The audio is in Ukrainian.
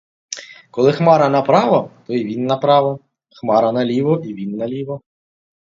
Коли хмара направо — то й він направо, хмара наліво — і він наліво.